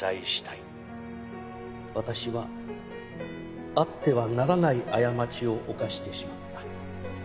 「私はあってはならない過ちを犯してしまった」